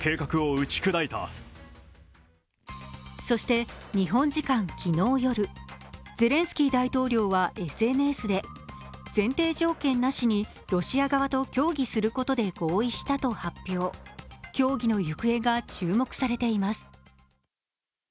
そして日本時間昨日夜、ゼレンスキー大統領はＳＮＳで前提条件なしにロシア側と協議することで合意したと発表、協議の行方が注目されています。